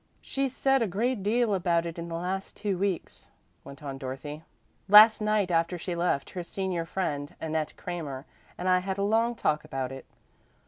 "She's said a great deal about it in the last two weeks," went on Dorothy. "Last night after she left, her senior friend, Annette Cramer, and I had a long talk about it.